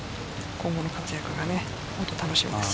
今後の活躍が本当楽しみです。